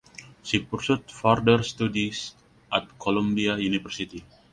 She pursued further studies at Columbia University.